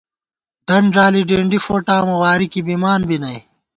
دن ݫالی ڈېنڈی فوٹامہ ، واری کی بِمان بی نئ